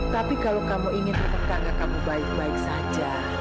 tapi kalau kamu ingin bertanya kamu baik baik saja